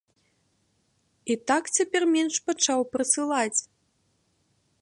І так цяпер менш пачаў прысылаць.